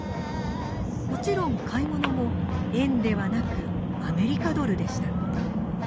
もちろん買い物も円ではなくアメリカドルでした。